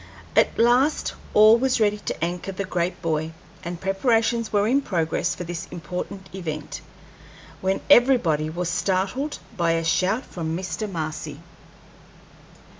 At last all was ready to anchor the great buoy, and preparations were in progress for this important event, when everybody was startled by a shout from Mr. Marcy.